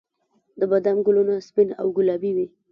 د بادام ګلونه سپین او ګلابي وي